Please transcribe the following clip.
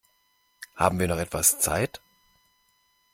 Haben wir noch etwas Zeit?